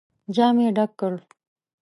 جام يې ډک کړ.